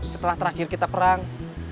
setelah terakhir kita perang